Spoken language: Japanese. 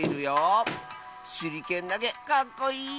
しゅりけんなげかっこいい！